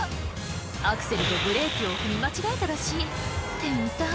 アクセルとブレーキを踏み間違えたらしい店員さん